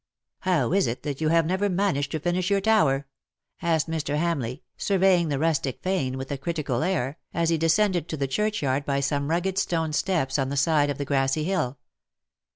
^^ How is it you have never managed to finish your tower T' asked IMr. Hamleigh, surveying the rustic fane with a critical air^ as he descended to the churchyard by some rugged stone steps on the side of the grassy hill.